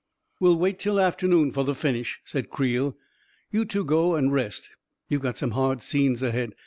" We will wait till afternoon for the finish," said Creel. " You two go and rest — you've got some hard scenes ahead.